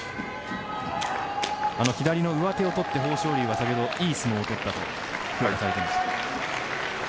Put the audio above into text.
左の上手を取って豊昇龍は先ほどいい相撲を取ったと言われていました。